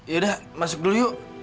yaudah masuk dulu yuk